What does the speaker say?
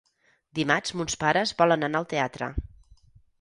Dimarts mons pares volen anar al teatre.